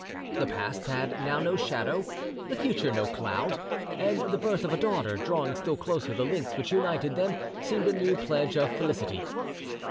The past had now no shadow, the future no cloud, and the birth of a daughter, drawing still closer the links which united them, seemed a new pledge of felicity.